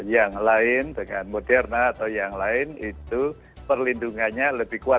yang lain dengan moderna atau yang lain itu perlindungannya lebih kuat